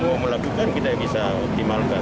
mau melakukan kita bisa optimalkan